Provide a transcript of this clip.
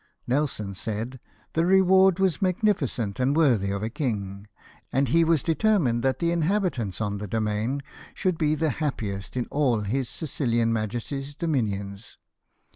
Nelson said, " The reward was magnificent, and worthy of a king, and he was determined that the inhabitants on the domain should be the happiest in all his Sicilian Majesty's dominions.